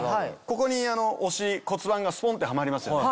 ここにお尻骨盤がスポンってハマりますよね。